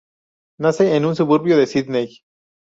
Nace en un suburbio de Sídney.